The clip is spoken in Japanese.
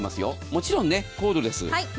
もちろんコードレス。